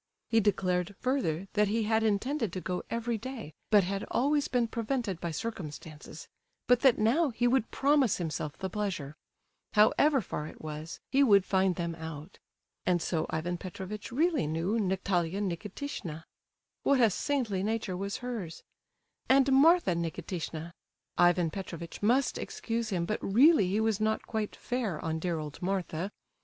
He declared, further, that he had intended to go every day, but had always been prevented by circumstances; but that now he would promise himself the pleasure—however far it was, he would find them out. And so Ivan Petrovitch really knew Natalia Nikitishna!—what a saintly nature was hers!—and Martha Nikitishna! Ivan Petrovitch must excuse him, but really he was not quite fair on dear old Martha.